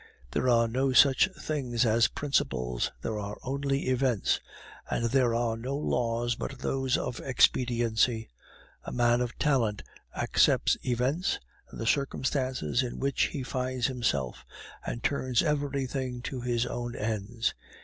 There are no such things as principles; there are only events, and there are no laws but those of expediency: a man of talent accepts events and the circumstances in which he finds himself, and turns everything to his own ends.